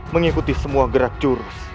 mengikuti semua gerak jurus